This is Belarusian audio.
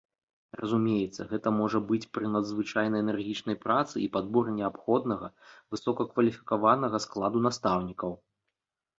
Разумеецца, гэта можа быць пры надзвычайна энергічнай працы і падборы неабходнага высокакваліфікаванага складу настаўнікаў.